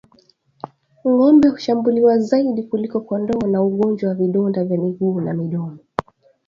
Ngombe hushambuliwa zaidi kuliko kondoo na ugonjwa wa vidonda vya miguu na midomo